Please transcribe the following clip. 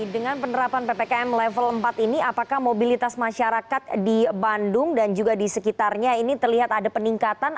dengan penerapan ppkm level empat ini apakah mobilitas masyarakat di bandung dan juga di sekitarnya ini terlihat ada peningkatan